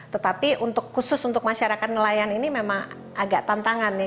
tetapi khusus untuk masyarakat nelayan ini memang agak tantangan nih